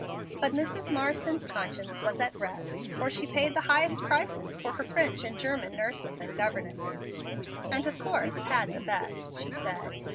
But Mrs. Marsden's conscience was at rest, for she paid the highest prices for her French and German nurses and governesses, and of course "had the best," she said.